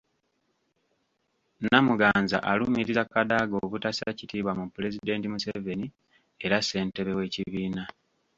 Namuganza alumiriza Kadaga obutassa kitiibwa mu Pulezidenti Museveni era ssentebbe w’ekibiina.